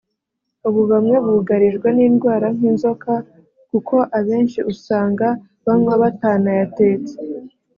ubu bamwe bugarijwe n’indwara nk’inzoka kuko abenshi usanga banywa batanayatetse”